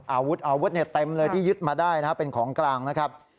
อาวุธอาวุธเต็มเลยที่ยึดมาได้นะครับเป็นของกลางนะครับ